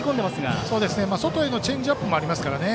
外へのチェンジアップもありますからね。